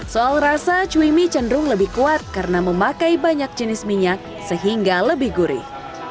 soal rasa cui mie cenderung lebih kuat karena memakai banyak jenis minyak sehingga lebih gurih